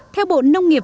theo bộ nông nghiệp